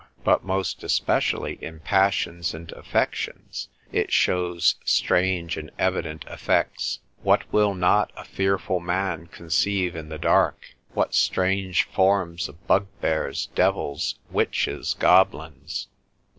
But most especially in passions and affections, it shows strange and evident effects: what will not a fearful man conceive in the dark? What strange forms of bugbears, devils, witches, goblins?